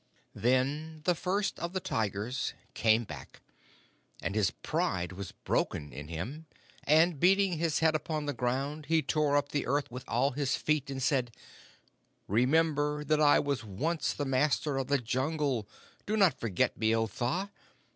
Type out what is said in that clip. "Then the First of the Tigers came back, and his pride was broken in him, and, beating his head upon the ground, he tore up the earth with all his feet and said: 'Remember that I was once the Master of the Jungle. Do not forget me, O Tha!